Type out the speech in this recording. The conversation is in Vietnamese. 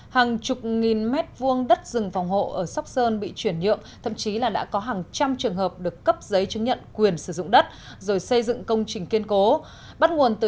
hàng chục nghìn mét vuông đất rừng phòng hộ ở sóc sơn bị chuyển nhượng thậm chí là đã có hàng trăm trường hợp được cấp giấy chứng nhận quyền sự